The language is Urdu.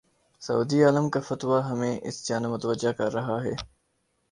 سعودی عالم کا فتوی ہمیں اس جانب متوجہ کر رہا ہے۔